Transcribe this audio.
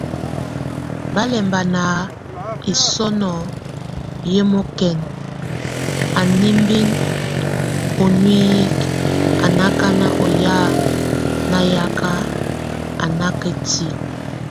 Balɛmba na hisoŋo yɔmɔkɛn, a némbin o nuíyik, a nákan oyá nayak, a nákatile.